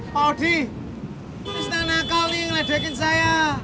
pak odi istana kau ini yang ngeledekin saya